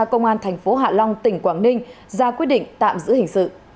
công an tp hạ long tỉnh quảng ninh ra quyết định